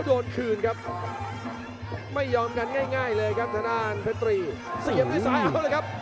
สี่ยืมทั้งฝีเซ็นตร์เอาเลยครับ